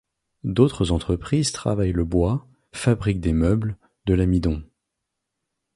D'autres entreprises travaillent le bois, fabriquent des meubles, de l'amidon.